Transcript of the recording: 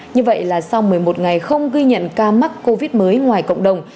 như vậy là sau một mươi một ngày không ghi nhận ca mắc covid mới ngoài cộng đồng